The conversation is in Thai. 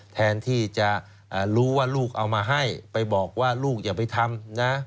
แทนที่จะรู้ว่าลูกเอามาให้ไปบอกว่าลูกอย่าไปทำนะ